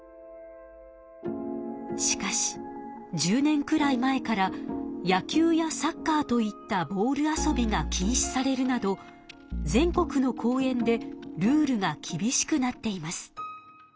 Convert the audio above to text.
しかし１０年くらい前から野球やサッカーといったボール遊びがきんしされるなど全国の公園でルールがきびしくなっています。